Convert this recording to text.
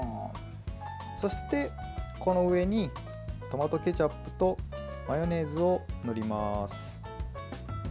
そして、この上にトマトケチャップとマヨネーズを塗ります。